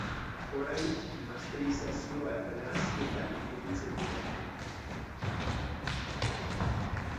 Orain masterizazio eta nahasketak gelditzen dira.